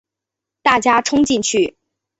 大家冲进去